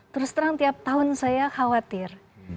terus terang tiap tahun saya khawatir